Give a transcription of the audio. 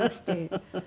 フフフフ。